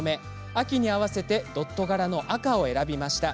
秋に合わせてドット柄の赤を選びました。